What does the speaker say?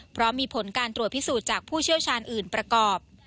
เพราะมีผลการตรวจพิสูจน์จากผู้เชี่ยวชาญอื่นประกอบ